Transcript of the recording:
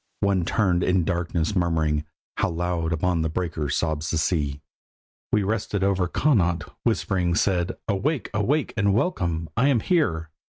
One turnèd in the darkness murmuring, "How loud upon the breakers sobs the sea!" We rested over Connaught—whispering said: "Awake, awake, and welcome! I am here."